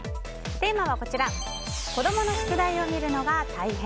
テーマは子供の宿題を見るのが大変。